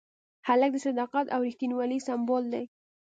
هلک د صداقت او ریښتینولۍ سمبول دی.